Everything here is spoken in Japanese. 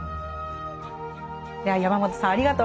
では山本さんありがとうございました。